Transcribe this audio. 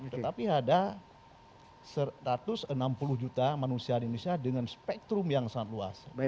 tetapi ada satu ratus enam puluh juta manusia di indonesia dengan spektrum yang sangat luas